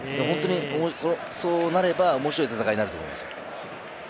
ホントにそうなれば面白い戦いになると思います。